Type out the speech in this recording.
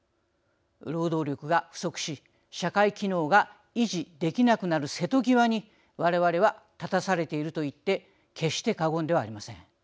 労働力が不足し社会機能が維持できなくなる瀬戸際に我々は立たされていると言って決して過言ではありません。